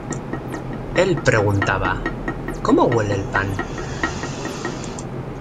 Él preguntaba: "¿Cómo huele el pan?